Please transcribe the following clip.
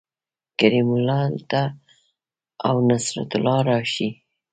کریم الله ته او نصرت الله راشئ